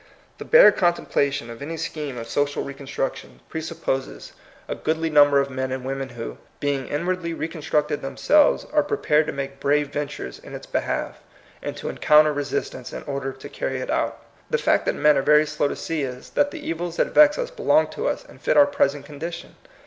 The bare contempla tion of any scheme of social reconstruction 170 THE COMING PEOPLE. presupposes a goodly number of men and women who, being inwardly reconstructed themselves, are prepared to make brave ventures in its behalf, and to encounter resistance in order to carry it out. The fact that men are very slow to see is, that the evils that vex us belong to us, and fit our present condition.